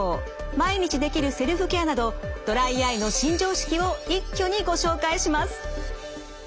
毎日できるセルフケアなどドライアイの新常識を一挙にご紹介します。